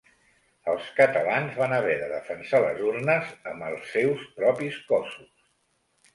Els catalans van haver de defensar les urnes amb els seus propis cossos.